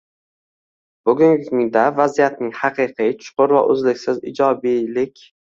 Bugungi kunda vaziyatning haqiqiy, chuqur va uzluksiz ijobiylik